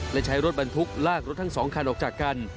และใช้รถบรรทุกลากรถทั้ง๒คันออกจากกัน